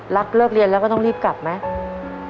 เลิกเรียนแล้วก็ต้องรีบกลับไหม